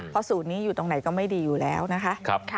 เพราะสูตรนี้อยู่ตรงไหนก็ไม่ดีอยู่แล้วนะคะ